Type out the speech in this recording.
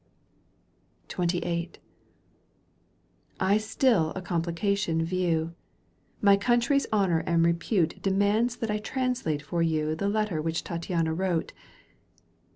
XXVIII. I still a complication view, My country's honour and repute Demands that I translate for you The letter which Tattiana wrote.